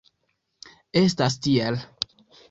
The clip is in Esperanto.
Estas tiel.